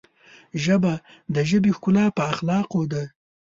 ژبه د ژبې ښکلا په اخلاقو ده